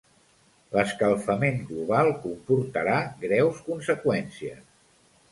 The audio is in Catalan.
L'escalfament global comportarà greus conseqüències.